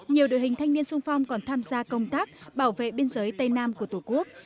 nhiều đội hình thanh niên sung phong còn tham gia công tác bảo vệ biên giới tây nam của tổ quốc